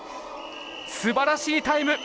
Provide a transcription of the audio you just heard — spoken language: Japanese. すばらしいタイム。